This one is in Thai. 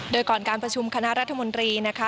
โดยก่อนการประชุมคณะรัฐมนตรีนะคะ